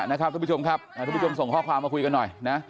ทุกผู้ชมครับทุกผู้ชมส่งข้อความมาคุยกันหน่อยนะ